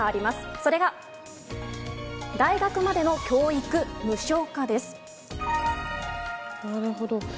それが、大学までの教育無償化でなるほど。